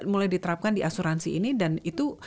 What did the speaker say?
mulai diterapkan di asuransi ini dan itu